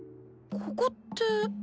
ここって。